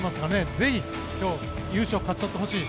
ぜひ今日優勝を勝ち取ってほしい。